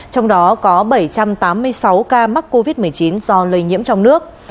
trong đó có bảy trăm tám mươi sáu ca mắc covid một mươi chín do lây nhiễm trong nước